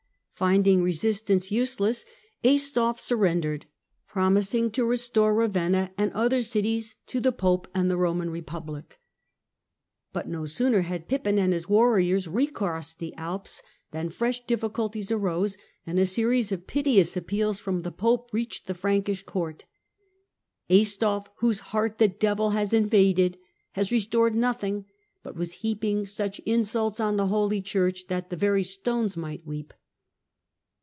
Finding resistance useless Aistulf sur rendered, promising to restore Kavenna and other cities to " the Pope and the Eoman republic ". But no sooner had Pippin and his warriors recrossed the Alps than fresh difficulties arose, and a series of piteous appeals from the Pope reached the Frankish Court. Aistulf, "whose heart the devil has invaded," has restored nothing, but was heaping such insults on the Holy Church that the very stones might weep.